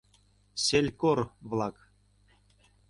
Селькор-влак!